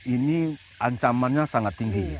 ini ancamannya sangat tinggi